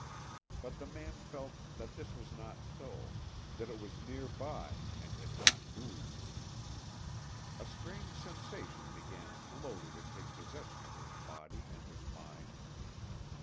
But the man felt that this was not so—that it was near by and had not moved. A strange sensation began slowly to take possession of his body and his mind.